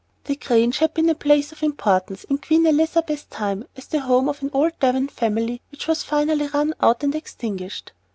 The Grange had been a place of importance, in Queen Elizabeth's time, as the home of an old Devon family which was finally run out and extinguished.